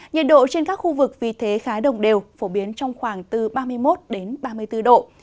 nhiệt độ trên các khu vực vì thế khá đồng đều phổ biến trong khoảng từ ba mươi một ba mươi bốn độ